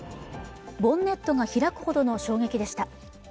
ボンネットが開くほどの衝撃でした。